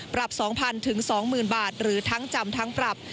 ๒๐๐๐๒๐๐บาทหรือทั้งจำทั้งปรับ